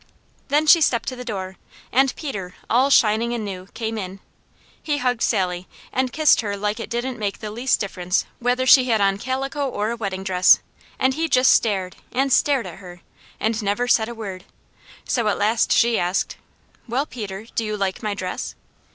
Then she stepped to the door, and Peter, all shining and new, came in. He hugged Sally and kissed her like it didn't make the least difference whether she had on calico or a wedding dress, and he just stared, and stared at her, and never said a word, so at last she asked: "Well Peter, do you like my dress?"